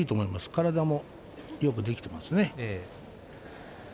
体もよくできていますね。